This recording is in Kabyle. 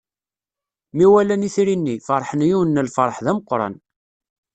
Mi walan itri-nni, feṛḥen yiwen n lfeṛḥ d ameqqran.